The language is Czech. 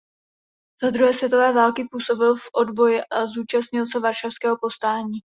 Za druhé světové války působil v odboji a zúčastnil se Varšavského povstání.